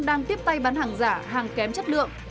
đang tiếp tay bán hàng giả hàng kém chất lượng